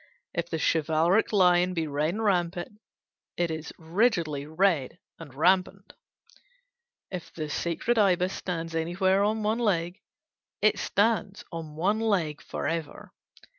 If the chivalric lion be red and rampant, it is rigidly red and rampant; if the sacred ibis stands anywhere on one leg, it stands on one leg for ever.